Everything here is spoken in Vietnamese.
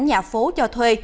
nhà phố cho thuê